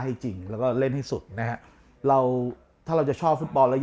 จริงแล้วก็เล่นให้สุดนะฮะเราถ้าเราจะชอบฟุตบอลแล้ว